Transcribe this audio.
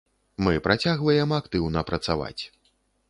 Мы працягваем актыўна працаваць.